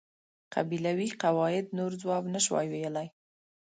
قبیلوي قواعد نور ځواب نشوای ویلای.